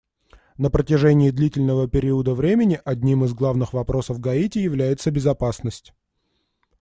На протяжении длительного периода времени одним из главных вопросов в Гаити является безопасность.